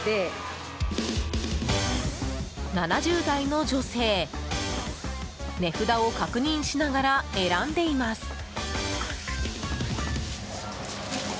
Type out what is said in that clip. ７０代の女性値札を確認しながら選んでいます。